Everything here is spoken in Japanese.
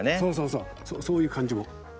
そういう感じも。